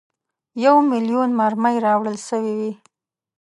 یو میلیون مرمۍ راوړل سوي وې.